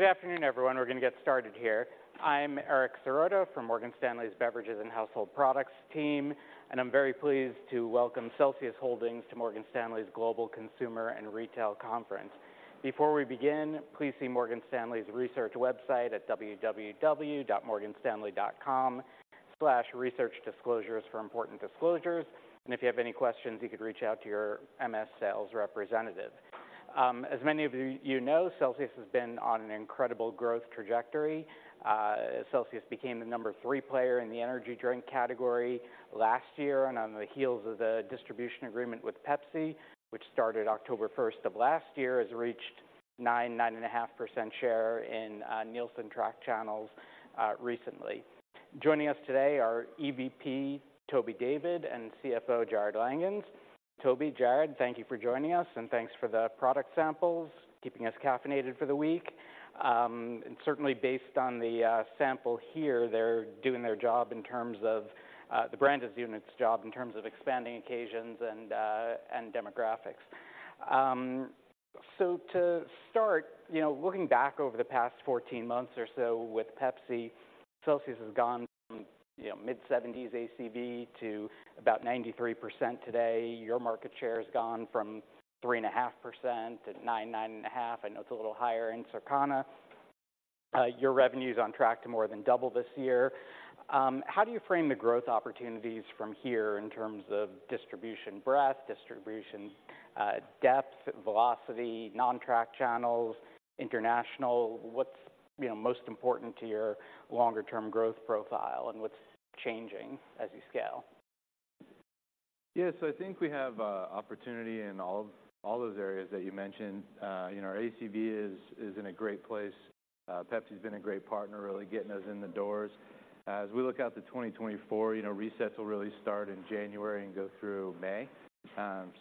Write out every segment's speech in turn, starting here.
Good afternoon, everyone. We're gonna get started here. I'm Eric Serotta from Morgan Stanley's Beverages and Household Products team, and I'm very pleased to welcome Celsius Holdings to Morgan Stanley's Global Consumer and Retail Conference. Before we begin, please see Morgan Stanley's research website at www.morganstanley.com/researchdisclosures for important disclosures, and if you have any questions, you could reach out to your MS sales representative. As many of you, you know, Celsius has been on an incredible growth trajectory. Celsius became the number three player in the energy drink category last year, and on the heels of the distribution agreement with Pepsi, which started October first of last year, has reached 9, 9.5% share in Nielsen tracked channels, recently. Joining us today are EVP Toby David and CFO Jarrod Langhans. Toby, Jarrod, thank you for joining us, and thanks for the product samples, keeping us caffeinated for the week. And certainly based on the sample here, they're doing their job in terms of... The brand is doing its job in terms of expanding occasions and demographics. So to start, you know, looking back over the past 14 months or so with Pepsi, Celsius has gone from, you know, mid-70s ACV to about 93% today. Your market share has gone from 3.5% to 9-9.5%. I know it's a little higher in Circana. Your revenue is on track to more than double this year. How do you frame the growth opportunities from here in terms of distribution breadth, distribution depth, velocity, non-tracked channels, international? What's, you know, most important to your longer term growth profile, and what's changing as you scale? Yeah, so I think we have opportunity in all, all those areas that you mentioned. You know, our ACV is, is in a great place. Pepsi has been a great partner, really getting us in the doors. As we look out to 2024, you know, resets will really start in January and go through May.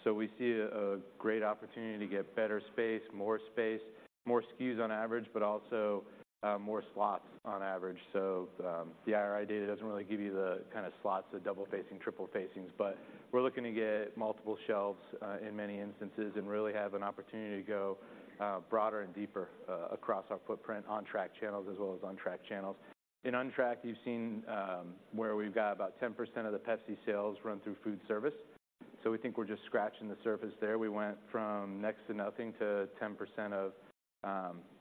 So we see a, a great opportunity to get better space, more space, more SKUs on average, but also, more slots on average. So, the IRI data doesn't really give you the kind of slots, the double-facing, triple-facings, but we're looking to get multiple shelves in many instances and really have an opportunity to go broader and deeper across our footprint on tracked channels as well as untracked channels. In untracked, you've seen where we've got about 10% of the Pepsi sales run through food service, so we think we're just scratching the surface there. We went from next to nothing to 10%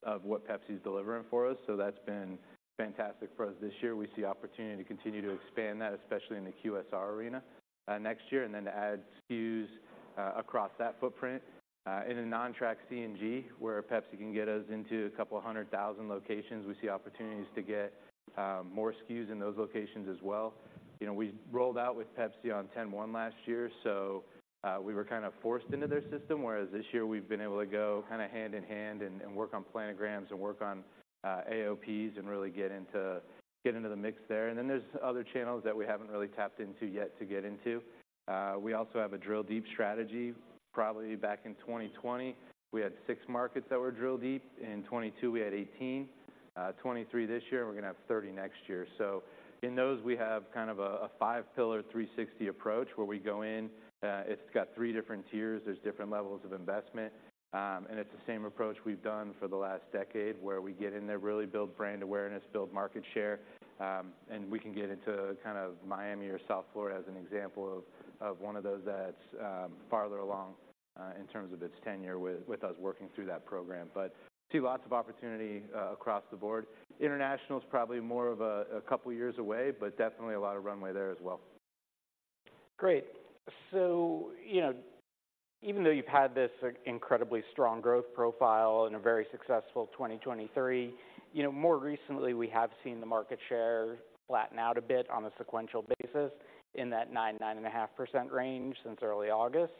of what Pepsi is delivering for us, so that's been fantastic for us this year. We see opportunity to continue to expand that, especially in the QSR arena next year, and then to add SKUs across that footprint. In a non-tracked C&G, where Pepsi can get us into a couple of 100,000 locations, we see opportunities to get more SKUs in those locations as well. You know, we rolled out with Pepsi on 10/1 last year, so we were kind of forced into their system, whereas this year we've been able to go kind of hand in hand and work on Planograms and work on AOPs and really get into the mix there. Then there's other channels that we haven't really tapped into yet to get into. We also have a Drill Deep strategy. Probably back in 2020, we had 6 markets that were Drill Deep. In 2022, we had 18, 23 this year, and we're gonna have 30 next year. So in those, we have kind of a 5-pillar, 360 approach, where we go in, it's got three different tiers, there's different levels of investment. It's the same approach we've done for the last decade, where we get in there, really build brand awareness, build market share, and we can get into kind of Miami or South Florida as an example of one of those that's farther along in terms of its tenure with us working through that program. But see lots of opportunity across the board. International is probably more of a couple of years away, but definitely a lot of runway there as well. Great. So, you know, even though you've had this incredibly strong growth profile and a very successful 2023, you know, more recently, we have seen the market share flatten out a bit on a sequential basis in that 9%-9.5% range since early August.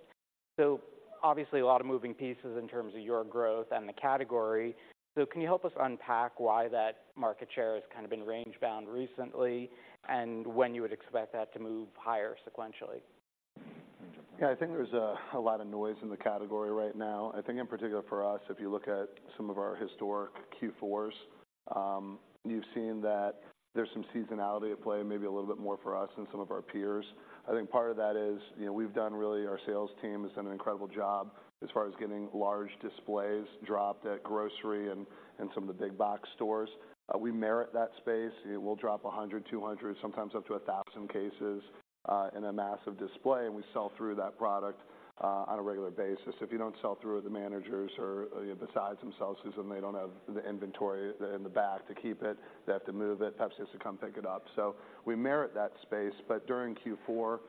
So obviously, a lot of moving pieces in terms of your growth and the category. So can you help us unpack why that market share has kind of been range-bound recently, and when you would expect that to move higher sequentially? Yeah, I think there's a lot of noise in the category right now. I think in particular for us, if you look at some of our historic Q4s, you've seen that there's some seasonality at play, maybe a little bit more for us than some of our peers. I think part of that is, you know, we've done really... Our sales team has done an incredible job as far as getting large displays dropped at grocery and some of the big box stores. We merit that space. We'll drop 100, 200, sometimes up to 1,000 cases in a massive display, and we sell through that product on a regular basis. If you don't sell through the managers or, besides themselves, and they don't have the inventory in the back to keep it, they have to move it. Pepsi has to come pick it up. So we merit that space, but during Q4,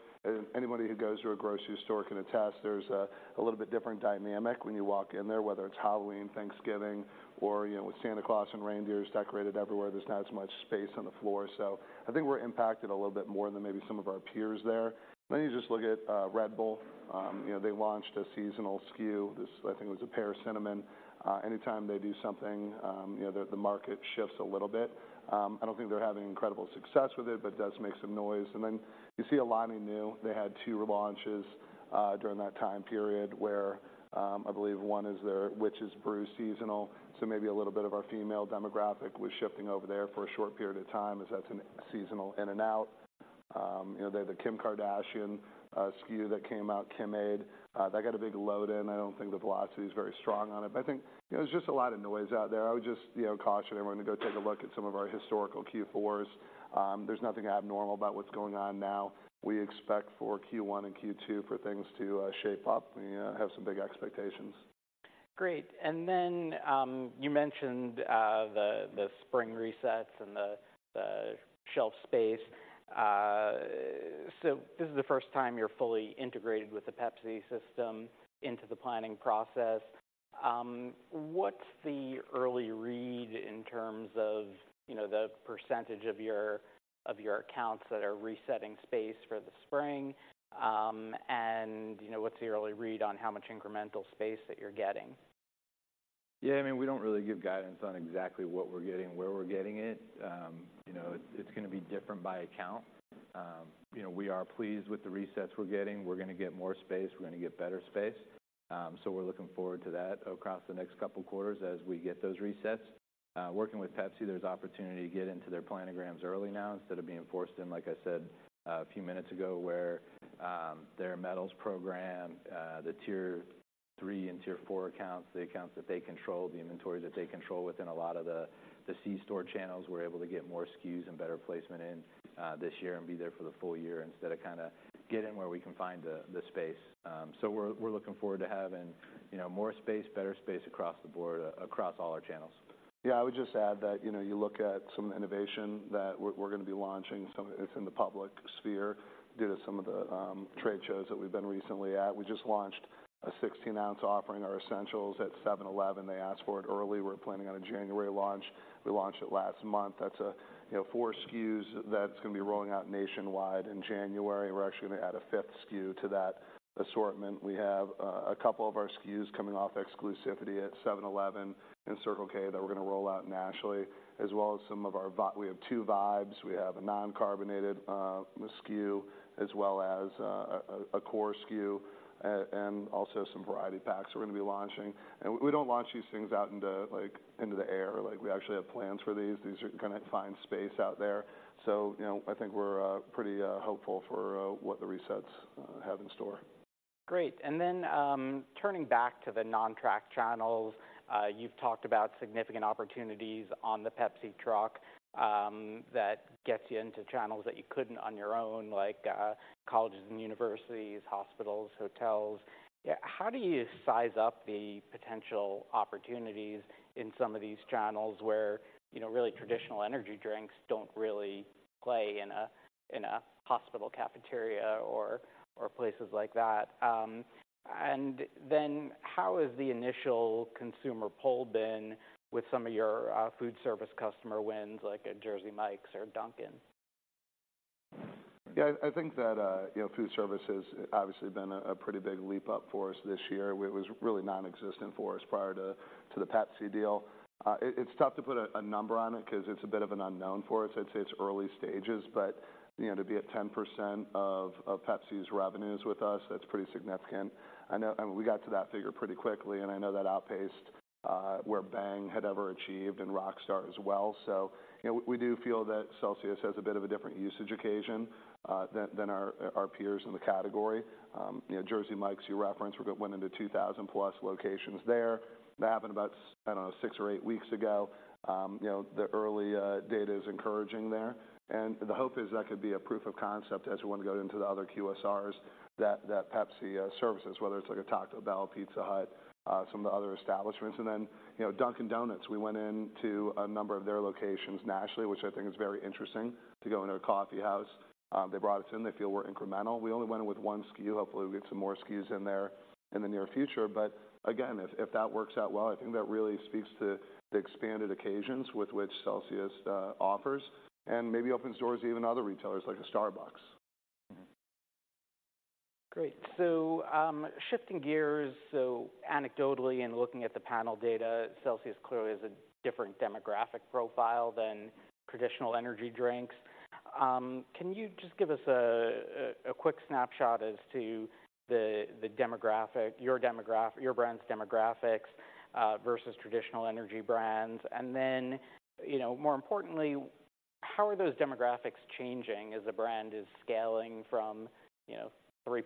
anybody who goes to a grocery store can attest there's a little bit different dynamic when you walk in there, whether it's Halloween, Thanksgiving, or, you know, with Santa Claus and reindeers decorated everywhere, there's not as much space on the floor. So I think we're impacted a little bit more than maybe some of our peers there. Then you just look at Red Bull. You know, they launched a seasonal SKU. This, I think, was a pear cinnamon. Anytime they do something, you know, the market shifts a little bit. I don't think they're having incredible success with it, but it does make some noise. And then you see Alani Nu, they had two launches during that time period where I believe one is their Witch's Brew seasonal. So maybe a little bit of our female demographic was shifting over there for a short period of time, as that's a seasonal in and out. You know, the Kim Kardashian SKU that came out, Kimade, that got a big load in. I don't think the velocity is very strong on it, but I think, you know, there's just a lot of noise out there. I would just, you know, caution everyone to go take a look at some of our historical Q4s. There's nothing abnormal about what's going on now. We expect for Q1 and Q2 for things to shape up. We have some big expectations. Great. Then you mentioned the spring resets and the shelf space. So this is the first time you're fully integrated with the Pepsi system into the planning process. What's the early read in terms of, you know, the percentage of your accounts that are resetting space for the spring? And you know, what's the early read on how much incremental space that you're getting? Yeah, I mean, we don't really give guidance on exactly what we're getting and where we're getting it. You know, it's gonna be different by account. You know, we are pleased with the resets we're getting. We're gonna get more space, we're gonna get better space. So we're looking forward to that across the next couple quarters as we get those resets. Working with Pepsi, there's opportunity to get into their planograms early now, instead of being forced in, like I said, a few minutes ago, where their Medals program, the tier three and tier four accounts, the accounts that they control, the inventory that they control within a lot of the c-store channels, we're able to get more SKUs and better placement in this year and be there for the full year instead of kind of get in where we can find the space. So we're looking forward to having, you know, more space, better space across the board, across all our channels. Yeah, I would just add that, you know, you look at some innovation that we're, we're gonna be launching, some of it's in the public sphere due to some of the trade shows that we've been recently at. We just launched a 16-ounce offering, our Essentials at 7-Eleven. They asked for it early. We're planning on a January launch. We launched it last month. That's, you know, 4 SKUs that's gonna be rolling out nationwide in January. We're actually gonna add a fifth SKU to that assortment. We have a couple of our SKUs coming off exclusivity at 7-Eleven and Circle K that we're gonna roll out nationally, as well as some of our Vibes. We have two Vibes. We have a non-carbonated SKU, as well as a core SKU, and also some variety packs we're gonna be launching. And we don't launch these things out into like, into the air. Like, we actually have plans for these. These are gonna find space out there. So, you know, I think we're pretty hopeful for what the resets have in store. Great. And then, turning back to the non-tracked channels, you've talked about significant opportunities on the Pepsi truck, that gets you into channels that you couldn't on your own, like, colleges and universities, hospitals, hotels. Yeah, how do you size up the potential opportunities in some of these channels where, you know, really traditional energy drinks don't really play in a, in a hospital cafeteria or, or places like that? And then how has the initial consumer pull been with some of your, food service customer wins, like a Jersey Mike's or Dunkin'? Yeah, I think that, you know, food service has obviously been a pretty big leap up for us this year. It was really nonexistent for us prior to the Pepsi deal. It's tough to put a number on it 'cause it's a bit of an unknown for us. I'd say it's early stages, but, you know, to be at 10% of Pepsi's revenues with us, that's pretty significant. I know... And we got to that figure pretty quickly, and I know that outpaced where Bang had ever achieved and Rockstar as well. So you know, we do feel that Celsius has a bit of a different usage occasion than our peers in the category. You know, Jersey Mike's, you referenced, we went into 2,000+ locations there. That happened about, I don't know, 6 or 8 weeks ago. You know, the early data is encouraging there, and the hope is that could be a proof of concept as we want to go into the other QSRs that Pepsi services, whether it's like a Taco Bell, Pizza Hut, some of the other establishments. Then, you know, Dunkin', we went into a number of their locations nationally, which I think is very interesting to go into a coffee house. They brought us in. They feel we're incremental. We only went in with one SKU. Hopefully, we'll get some more SKUs in there in the near future, but again, if that works out well, I think that really speaks to the expanded occasions with which Celsius offers, and maybe opens doors to even other retailers, like a Starbucks. Great. So, shifting gears, so anecdotally and looking at the panel data, Celsius clearly has a different demographic profile than traditional energy drinks. Can you just give us a quick snapshot as to the demographic, your brand's demographics, versus traditional energy brands? And then, you know, more importantly, how are those demographics changing as the brand is scaling from, you know, 3%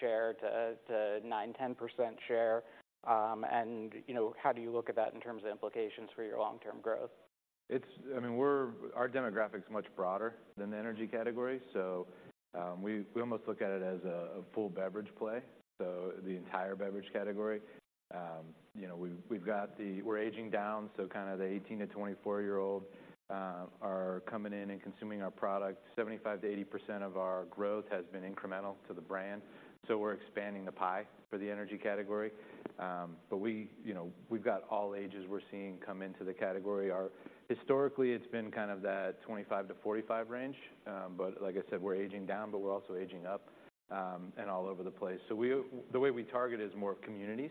share to 9%-10% share? And you know, how do you look at that in terms of implications for your long-term growth? I mean, we're our demographic's much broader than the energy category, so we almost look at it as a full beverage play, so the entire beverage category. You know, we've got the... We're aging down, so kind of the 18-24-year-old are coming in and consuming our product. 75%-80% of our growth has been incremental to the brand, so we're expanding the pie for the energy category. But we, you know, we've got all ages we're seeing come into the category. Our historically, it's been kind of that 25-45 range, but like I said, we're aging down, but we're also aging up, and all over the place. So the way we target is more of communities.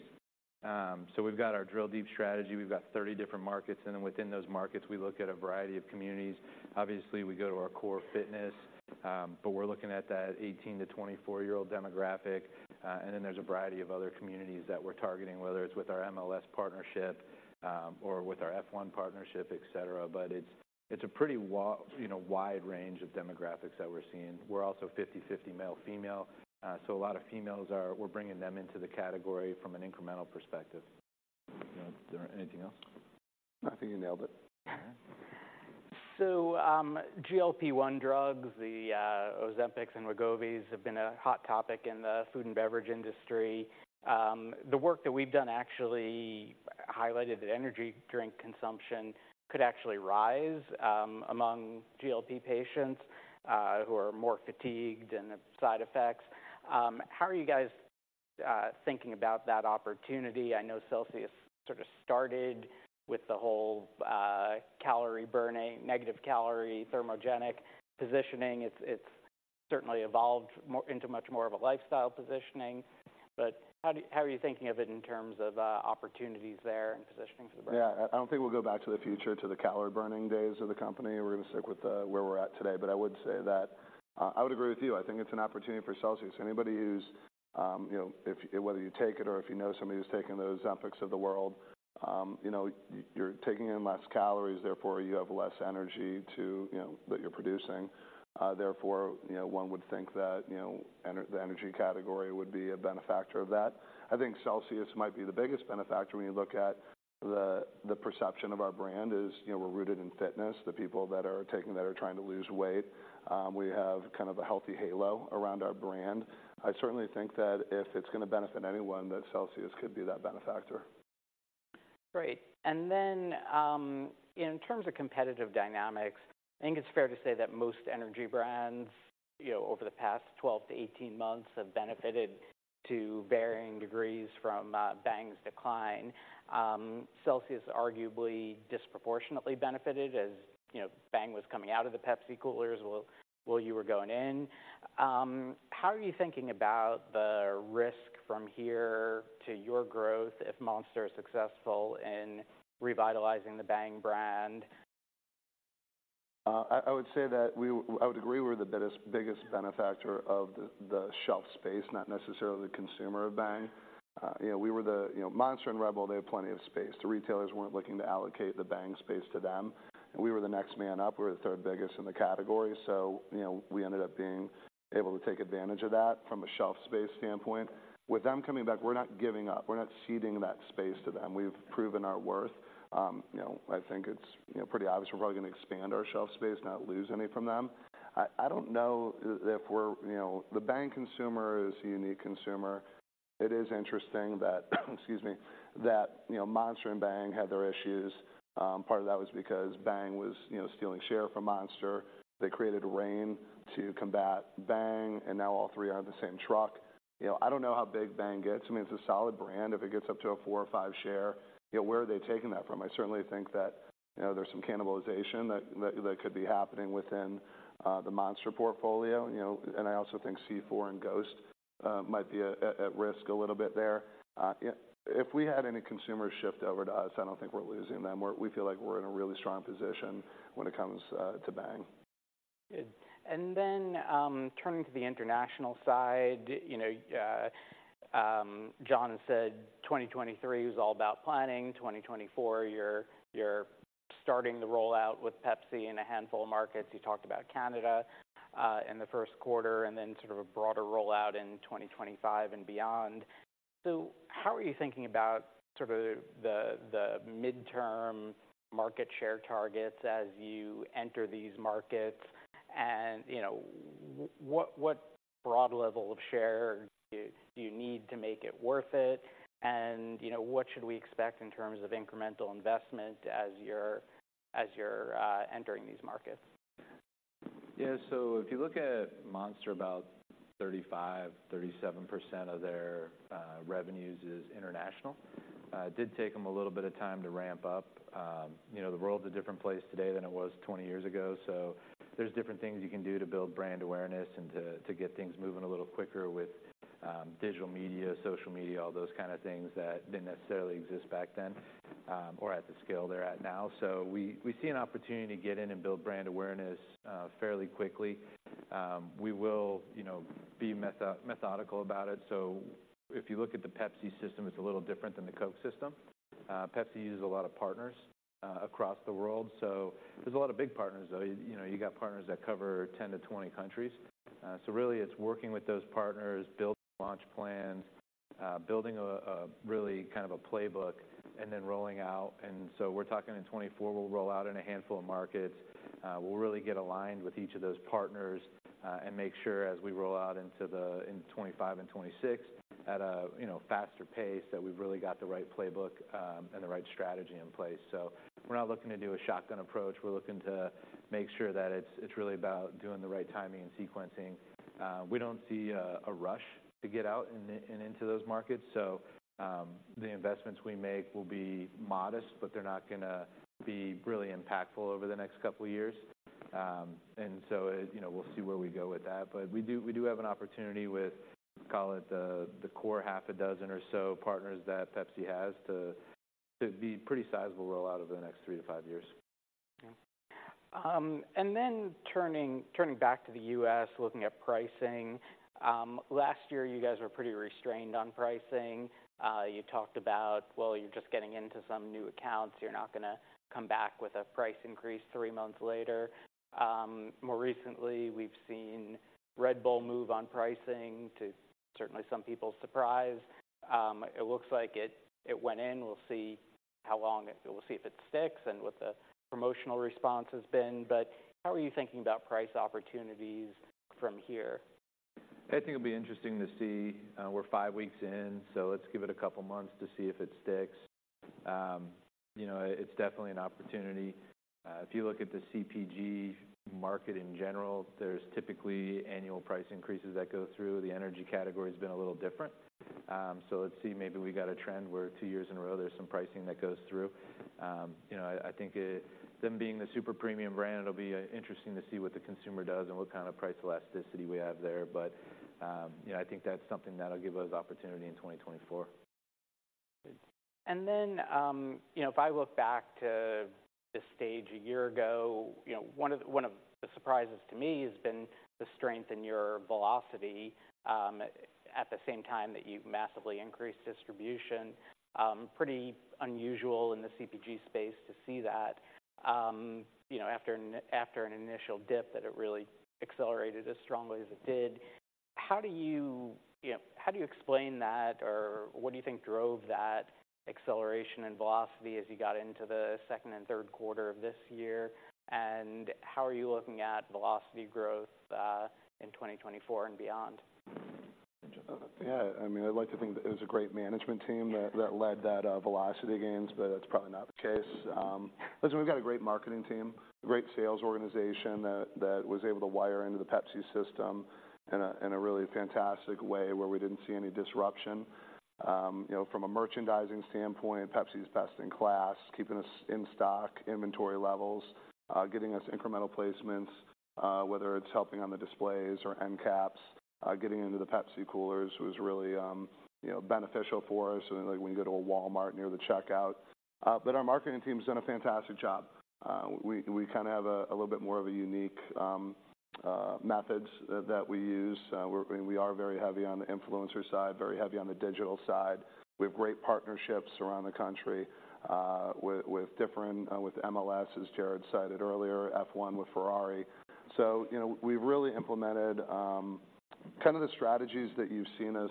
So we've got our Drill Deep strategy. We've got 30 different markets, and then within those markets, we look at a variety of communities. Obviously, we go to our core fitness, but we're looking at that 18-24-year-old demographic. And then there's a variety of other communities that we're targeting, whether it's with our MLS partnership, or with our F1 partnership, et cetera. But it's, it's a pretty wide range of demographics that we're seeing. We're also 50/50 male/female, so a lot of females are... We're bringing them into the category from an incremental perspective. You know, is there anything else? I think you nailed it. All right. So, GLP-1 drugs, the Ozempic and Wegovy, have been a hot topic in the food and beverage industry. The work that we've done actually highlighted that energy drink consumption could actually rise among GLP-1 patients who are more fatigued and the side effects. How are you guys thinking about that opportunity? I know Celsius sort of started with the whole calorie-burning, negative calorie, thermogenic positioning. It's, it's certainly evolved more into much more of a lifestyle positioning, but how do, how are you thinking of it in terms of opportunities there and positioning for the brand? Yeah, I don't think we'll go back to the future, to the calorie-burning days of the company. We're gonna stick with where we're at today. But I would say that I would agree with you. I think it's an opportunity for Celsius. Anybody who's, you know, if, whether you take it or if you know somebody who's taking those Ozempics of the world, you know, you're taking in less calories, therefore, you have less energy to, you know, that you're producing. Therefore, you know, one would think that, you know, the energy category would be a benefactor of that. I think Celsius might be the biggest benefactor when you look at the perception of our brand is, you know, we're rooted in fitness, the people that are taking that are trying to lose weight. We have kind of a healthy halo around our brand. I certainly think that if it's gonna benefit anyone, that Celsius could be that benefactor. Great. And then, in terms of competitive dynamics, I think it's fair to say that most energy brands, you know, over the past 12-18 months, have benefited to varying degrees from Bang's decline. Celsius, arguably, disproportionately benefited, as, you know, Bang was coming out of the Pepsi coolers, while you were going in. How are you thinking about the risk from here to your growth if Monster is successful in revitalizing the Bang brand? I would say that we—I would agree we're the biggest benefactor of the shelf space, not necessarily the consumer of Bang. You know, we were the... You know, Monster and Red Bull, they had plenty of space. The retailers weren't looking to allocate the Bang space to them, and we were the next man up. We were the third biggest in the category, so, you know, we ended up being able to take advantage of that from a shelf space standpoint. With them coming back, we're not giving up. We're not ceding that space to them. We've proven our worth. You know, I think it's, you know, pretty obvious we're probably gonna expand our shelf space, not lose any from them. I don't know if we're... You know, the Bang consumer is a unique consumer. It is interesting that, you know, Monster and Bang had their issues. Part of that was because Bang was, you know, stealing share from Monster. They created Reign to combat Bang, and now all three are on the same truck. You know, I don't know how big Bang gets. I mean, it's a solid brand. If it gets up to a 4 or 5 share, you know, where are they taking that from? I certainly think that, you know, there's some cannibalization that could be happening within the Monster portfolio, you know, and I also think C4 and Ghost might be at risk a little bit there. If we had any consumer shift over to us, I don't think we're losing them. We feel like we're in a really strong position when it comes to Bang. Good. And then, turning to the international side, you know, John said 2023 was all about planning. 2024, you're, you're starting the rollout with Pepsi in a handful of markets. You talked about Canada, in the first quarter, and then sort of a broader rollout in 2025 and beyond. So how are you thinking about sort of the, the midterm market share targets as you enter these markets? And, you know, what, what broad level of share do you, do you need to make it worth it? And, you know, what should we expect in terms of incremental investment as you're, as you're, entering these markets? Yeah, so if you look at Monster, about 35-37% of their revenues is international. It did take them a little bit of time to ramp up. You know, the world's a different place today than it was 20 years ago, so there's different things you can do to build brand awareness and to get things moving a little quicker with digital media, social media, all those kind of things that didn't necessarily exist back then or at the scale they're at now. So we see an opportunity to get in and build brand awareness fairly quickly. We will, you know, be methodical about it. So if you look at the Pepsi system, it's a little different than the Coke system. Pepsi uses a lot of partners across the world, so there's a lot of big partners, though. You know, you got partners that cover 10-20 countries. So really, it's working with those partners, building launch plans, building a really kind of a playbook, and then rolling out. And so we're talking in 2024, we'll roll out in a handful of markets. We'll really get aligned with each of those partners, and make sure as we roll out into the in 2025 and 2026 at a, you know, faster pace, that we've really got the right playbook, and the right strategy in place. So we're not looking to do a shotgun approach. We're looking to make sure that it's really about doing the right timing and sequencing. We don't see a rush to get into those markets, so the investments we make will be modest, but they're not gonna be really impactful over the next couple of years. And so, you know, we'll see where we go with that. But we do have an opportunity with, call it the core 6 or so partners that Pepsi has to be pretty sizable roll out over the next 3-5 years. And then turning back to the U.S., looking at pricing. Last year, you guys were pretty restrained on pricing. You talked about, well, you're just getting into some new accounts, you're not gonna come back with a price increase three months later. More recently, we've seen Red Bull move on pricing to certainly some people's surprise. It looks like it went in. We'll see how long. We'll see if it sticks and what the promotional response has been. But how are you thinking about price opportunities from here? I think it'll be interesting to see, we're five weeks in, so let's give it a couple of months to see if it sticks. You know, it's definitely an opportunity. If you look at the CPG market in general, there's typically annual price increases that go through. The energy category has been a little different. So let's see, maybe we got a trend where two years in a row, there's some pricing that goes through. You know, I think it-- them being the super premium brand, it'll be interesting to see what the consumer does and what kind of price elasticity we have there. But, you know, I think that's something that'll give us opportunity in 2024. And then, you know, if I look back to this stage a year ago, you know, one of, one of the surprises to me has been the strength in your velocity, at the same time that you've massively increased distribution. Pretty unusual in the CPG space to see that, you know, after an, after an initial dip, that it really accelerated as strongly as it did. How do you, you know, how do you explain that, or what do you think drove that acceleration and velocity as you got into the second and third quarter of this year? And how are you looking at velocity growth in 2024 and beyond? Yeah, I mean, I'd like to think that it was a great management team that, that led that velocity gains, but that's probably not the case. Listen, we've got a great marketing team, a great sales organization that, that was able to wire into the Pepsi system in a, in a really fantastic way, where we didn't see any disruption. You know, from a merchandising standpoint, Pepsi is best in class, keeping us in stock, inventory levels, getting us incremental placements, whether it's helping on the displays or end caps. Getting into the Pepsi coolers was really, you know, beneficial for us, and like, when you go to a Walmart near the checkout. But our marketing team has done a fantastic job. We kind of have a little bit more of a unique methods that we use. We are very heavy on the influencer side, very heavy on the digital side. We have great partnerships around the country, with different, with MLS, as Jarrod cited earlier, F1 with Ferrari. So, you know, we've really implemented kind of the strategies that you've seen us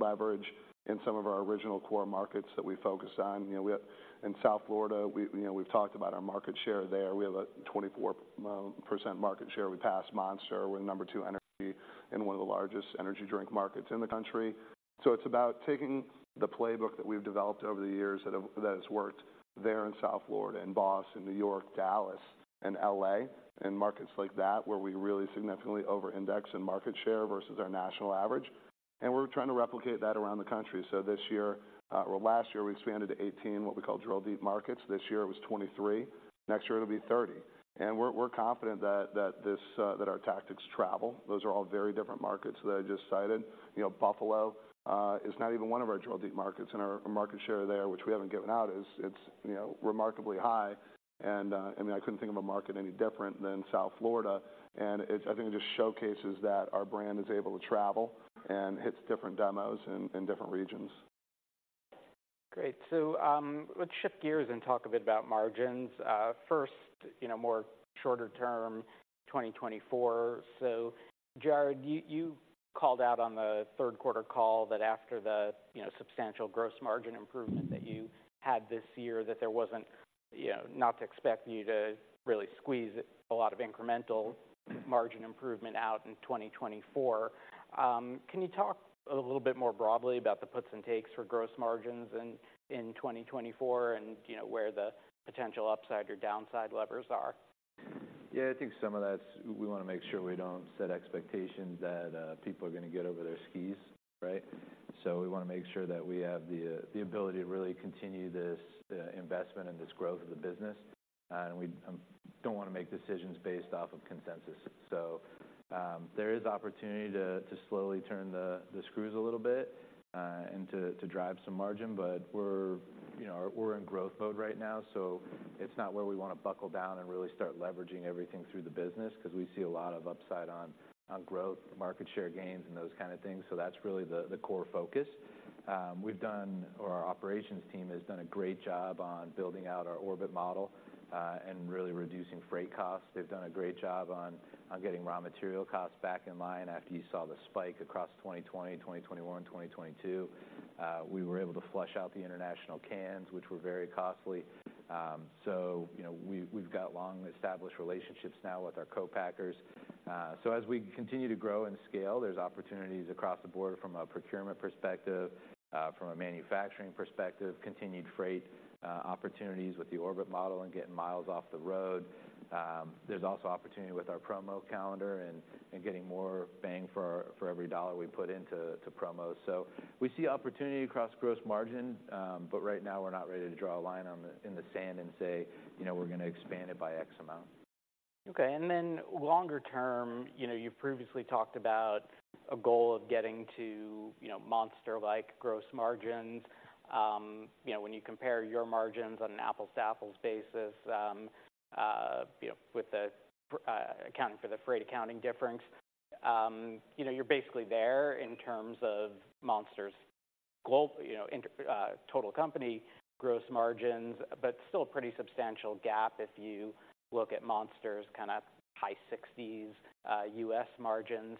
leverage in some of our original core markets that we focused on. You know, we have... In South Florida, you know, we've talked about our market share there. We have a 24% market share. We passed Monster. We're number two energy in one of the largest energy drink markets in the country. So it's about taking the playbook that we've developed over the years, that has worked there in South Florida, and Boston, New York, Dallas, and L.A., and markets like that, where we really significantly overindex in market share versus our national average, and we're trying to replicate that around the country. So this year, well, last year, we expanded to 18, what we call drill deep markets. This year it was 23. Next year it'll be 30. We're confident that, that this, that our tactics travel. Those are all very different markets that I just cited. You know, Buffalo, is not even one of our drill deep markets, and our market share there, which we haven't given out, is it's, you know, remarkably high. I mean, I couldn't think of a market any different than South Florida, and it's, I think, it just showcases that our brand is able to travel and hits different demos in different regions. Great. So, let's shift gears and talk a bit about margins. First, you know, more shorter term, 2024. So, Jarrod, you called out on the third quarter call that after the, you know, substantial gross margin improvement that you had this year, that there wasn't, you know, not to expect you to really squeeze a lot of incremental margin improvement out in 2024. Can you talk a little bit more broadly about the puts and takes for gross margins in 2024, and, you know, where the potential upside or downside levers are? Yeah, I think some of that's we wanna make sure we don't set expectations that, people are gonna get over their skis, right? So we wanna make sure that we have the, the ability to really continue this, investment and this growth of the business. And we don't wanna make decisions based off of consensus. So, there is opportunity to, to slowly turn the, the screws a little bit, and to, to drive some margin, but we're, you know, we're in growth mode right now, so it's not where we wanna buckle down and really start leveraging everything through the business, 'cause we see a lot of upside on, on growth, market share gains, and those kind of things. So that's really the core focus. We've done... Our operations team has done a great job on building out our Orbit Model and really reducing freight costs. They've done a great job on getting raw material costs back in line after you saw the spike across 2020, 2021, and 2022. We were able to flush out the international cans, which were very costly. So you know, we've got long-established relationships now with our co-packers. So as we continue to grow and scale, there's opportunities across the board from a procurement perspective, from a manufacturing perspective, continued freight opportunities with the Orbit Model and getting miles off the road. There's also opportunity with our promo calendar and getting more bang for our every dollar we put into promos. We see opportunity across gross margin, but right now, we're not ready to draw a line in the sand and say, you know, we're gonna expand it by X amount.... Okay, and then longer term, you know, you've previously talked about a goal of getting to, you know, Monster-like gross margins. You know, when you compare your margins on an apples-to-apples basis, you know, with the, accounting for the freight accounting difference, you know, you're basically there in terms of Monster's global, you know, total company gross margins, but still a pretty substantial gap if you look at Monster's kind of high sixties, U.S. margins.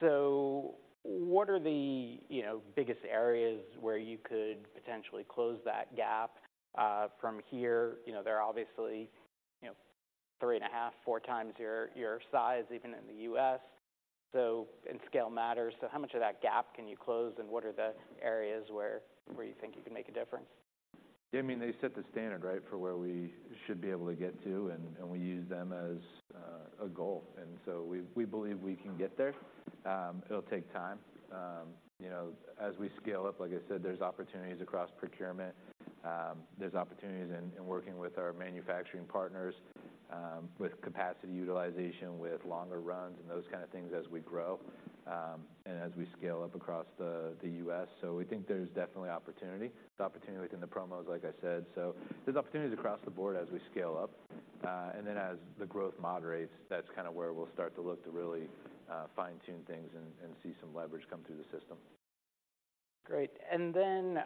So what are the, you know, biggest areas where you could potentially close that gap, from here? You know, they're obviously, you know, 3.5-4 times your, your size, even in the U.S. So and scale matters, so how much of that gap can you close, and what are the areas where, where you think you can make a difference? Yeah, I mean, they set the standard, right, for where we should be able to get to, and we use them as a goal, and so we believe we can get there. It'll take time. You know, as we scale up, like I said, there's opportunities across procurement. There's opportunities in working with our manufacturing partners, with capacity utilization, with longer runs, and those kind of things as we grow, and as we scale up across the US. So we think there's definitely opportunity, the opportunity within the promos, like I said, so there's opportunities across the board as we scale up. And then as the growth moderates, that's kind of where we'll start to look to really fine-tune things and see some leverage come through the system. Great. And then,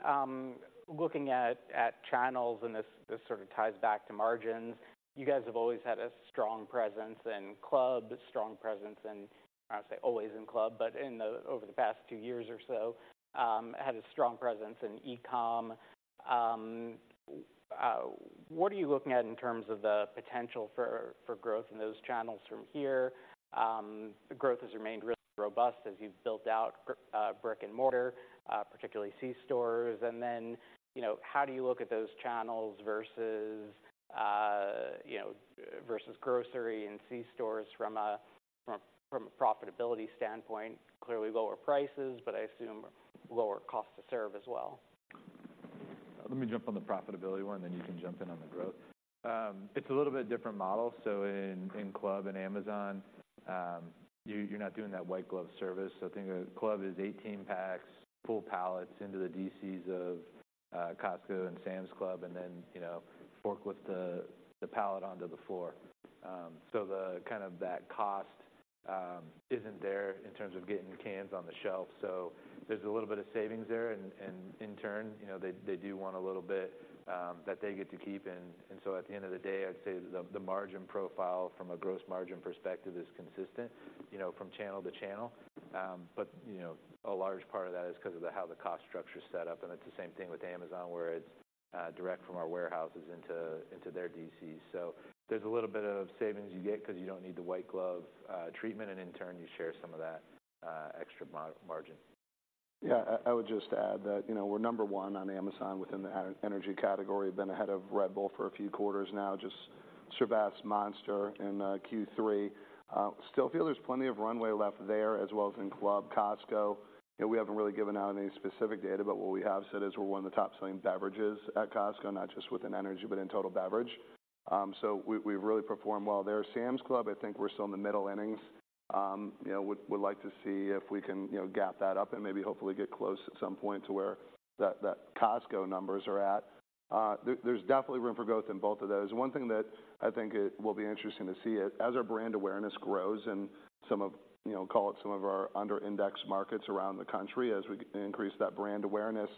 looking at channels, and this sort of ties back to margins. You guys have always had a strong presence in club, strong presence in... I wouldn't say always in club, but in the over the past two years or so, had a strong presence in e-com. What are you looking at in terms of the potential for growth in those channels from here? The growth has remained really robust as you've built out brick and mortar, particularly c-stores. And then, you know, how do you look at those channels versus, you know, versus grocery and c-stores from a profitability standpoint? Clearly lower prices, but I assume lower cost to serve as well. Let me jump on the profitability one, and then you can jump in on the growth. It's a little bit different model, so in Club and Amazon, you're not doing that white glove service. So I think that Club is 18 packs, full pallets into the DCs of Costco and Sam's Club, and then, you know, forklift the pallet onto the floor. So the kind of that cost isn't there in terms of getting the cans on the shelf. So there's a little bit of savings there, and in turn, you know, they do want a little bit that they get to keep. And so at the end of the day, I'd say the margin profile from a gross margin perspective is consistent, you know, from channel to channel. But, you know, a large part of that is 'cause of the how the cost structure is set up, and it's the same thing with Amazon, where it's direct from our warehouses into their DCs. So there's a little bit of savings you get 'cause you don't need the white glove treatment, and in turn, you share some of that extra margin. Yeah, I would just add that, you know, we're number one on Amazon within the energy category. Been ahead of Red Bull for a few quarters now, just surpassed Monster in Q3. Still feel there's plenty of runway left there, as well as in Costco. You know, we haven't really given out any specific data, but what we have said is we're one of the top-selling beverages at Costco, not just within energy, but in total beverage. So we've really performed well there. Sam's Club, I think we're still in the middle innings. You know, would like to see if we can, you know, gap that up and maybe hopefully get close at some point to where the Costco numbers are at. There's definitely room for growth in both of those. One thing that I think it will be interesting to see as our brand awareness grows and some of, you know, call it some of our under indexed markets around the country, as we increase that brand awareness,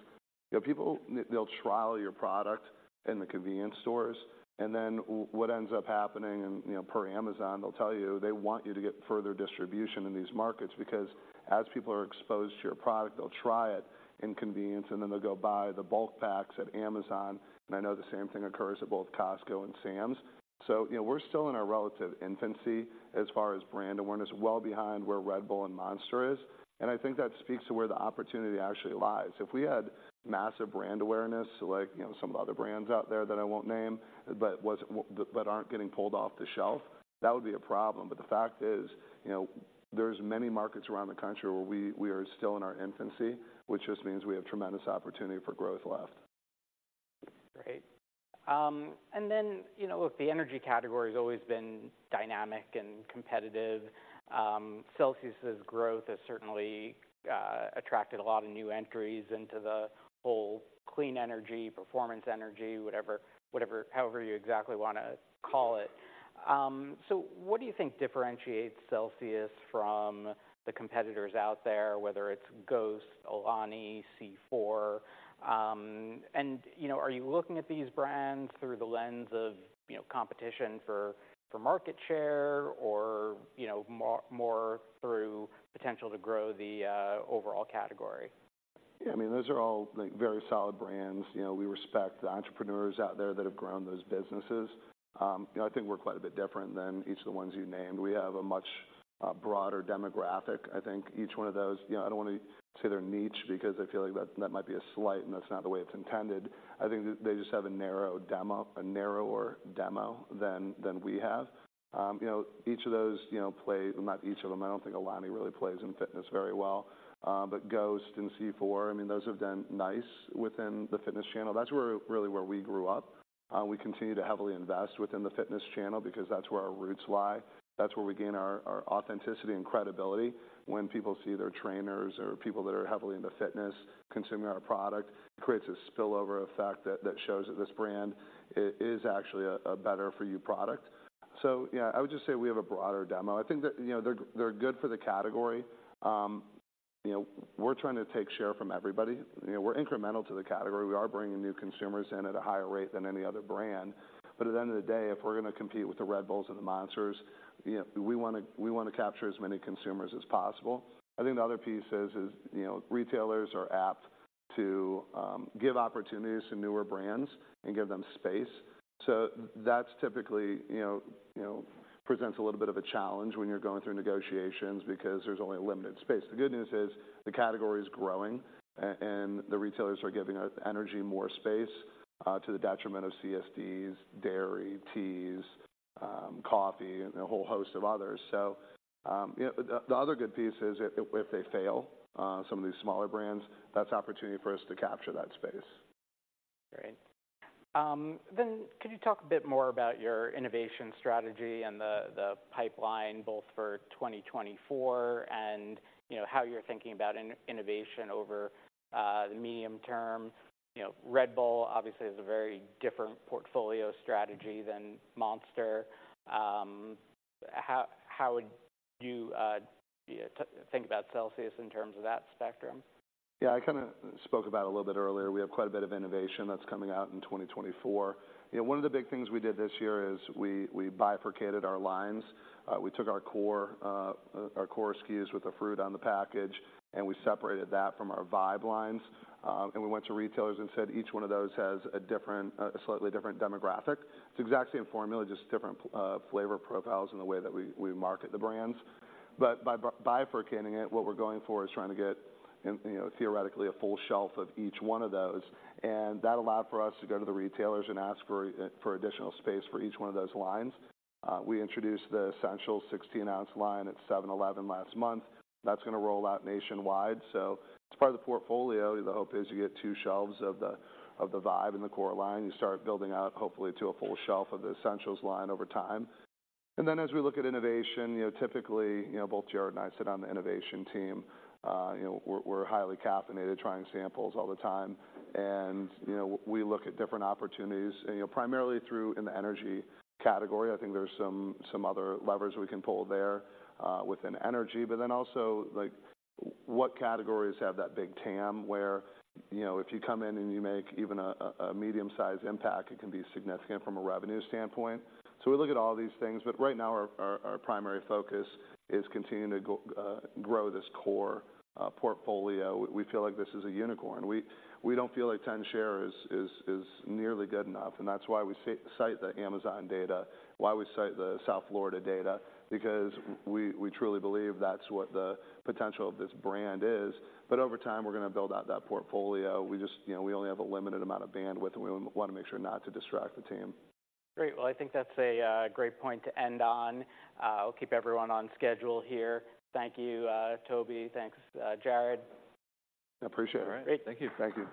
you know, people, they'll trial your product in the convenience stores, and then what ends up happening and, you know, per Amazon, they'll tell you, they want you to get further distribution in these markets because as people are exposed to your product, they'll try it in convenience, and then they'll go buy the bulk packs at Amazon. And I know the same thing occurs at both Costco and Sam's. So, you know, we're still in our relative infancy as far as brand awareness, well behind where Red Bull and Monster is, and I think that speaks to where the opportunity actually lies. If we had massive brand awareness, like, you know, some of the other brands out there that I won't name, but aren't getting pulled off the shelf, that would be a problem. But the fact is, you know, there's many markets around the country where we are still in our infancy, which just means we have tremendous opportunity for growth left. Great. And then, you know, look, the energy category has always been dynamic and competitive. Celsius's growth has certainly attracted a lot of new entries into the whole clean energy, performance energy, whatever, whatever, however you exactly wanna call it. So what do you think differentiates Celsius from the competitors out there, whether it's Ghost, Alani, C4? And, you know, are you looking at these brands through the lens of, you know, competition for, for market share, or, you know, more, more through potential to grow the overall category? Yeah, I mean, those are all, like, very solid brands. You know, we respect the entrepreneurs out there that have grown those businesses. You know, I think we're quite a bit different than each of the ones you named. We have a much broader demographic. I think each one of those, you know, I don't want to say they're niche because I feel like that, that might be a slight, and that's not the way it's intended. I think they just have a narrow demo, a narrower demo than we have. You know, each of those, you know, play... Not each of them. I don't think Alani really plays in fitness very well. But Ghost and C4, I mean, those have done nice within the fitness channel. That's where we really grew up. We continue to heavily invest within the fitness channel because that's where our roots lie. That's where we gain our authenticity and credibility. When people see their trainers or people that are heavily into fitness consuming our product, it creates a spillover effect that shows that this brand is actually a better-for-you product. So yeah, I would just say we have a broader demo. I think that, you know, they're good for the category. You know, we're trying to take share from everybody. You know, we're incremental to the category. We are bringing new consumers in at a higher rate than any other brand, but at the end of the day, if we're gonna compete with the Red Bulls and the Monsters, you know, we wanna capture as many consumers as possible. I think the other piece is, you know, retailers are apt to give opportunities to newer brands and give them space. So that's typically, you know, presents a little bit of a challenge when you're going through negotiations because there's only a limited space. The good news is, the category is growing and the retailers are giving us energy more space to the detriment of CSDs, dairy, teas, coffee, and a whole host of others. So, you know, the other good piece is if they fail some of these smaller brands, that's opportunity for us to capture that space. Great. Then could you talk a bit more about your innovation strategy and the pipeline, both for 2024, and, you know, how you're thinking about innovation over the medium term? You know, Red Bull obviously has a very different portfolio strategy than Monster. How would you think about Celsius in terms of that spectrum? Yeah, I kind of spoke about it a little bit earlier. We have quite a bit of innovation that's coming out in 2024. You know, one of the big things we did this year is we bifurcated our lines. We took our core, our core SKUs with the fruit on the package, and we separated that from our Vibe lines. And we went to retailers and said each one of those has a different, a slightly different demographic. It's exactly the same formula, just different flavor profiles in the way that we market the brands. But by bifurcating it, what we're going for is trying to get in, you know, theoretically, a full shelf of each one of those. And that allowed for us to go to the retailers and ask for, for additional space for each one of those lines. We introduced the Essentials 16-ounce line at 7-Eleven last month. That's gonna roll out nationwide. So as part of the portfolio, the hope is you get two shelves of the, of the Vibe in the Core line. You start building out, hopefully, to a full shelf of the Essentials line over time. And then, as we look at innovation, you know, typically, you know, both Jarrod and I sit on the innovation team. You know, we're, we're highly caffeinated, trying samples all the time, and, you know, we look at different opportunities and, you know, primarily through in the energy category. I think there's some other levers we can pull there within energy, but then also, like, what categories have that big TAM, where, you know, if you come in and you make even a medium-sized impact, it can be significant from a revenue standpoint. So we look at all these things, but right now our primary focus is continuing to go grow this core portfolio. We feel like this is a unicorn. We don't feel like 10 share is nearly good enough, and that's why we cite the Amazon data, why we cite the South Florida data. Because we truly believe that's what the potential of this brand is. But over time, we're gonna build out that portfolio. We just... You know, we only have a limited amount of bandwidth, and we wanna make sure not to distract the team. Great. Well, I think that's a great point to end on. We'll keep everyone on schedule here. Thank you, Toby. Thanks, Jarrod. I appreciate it. All right. Great. Thank you. Thank you.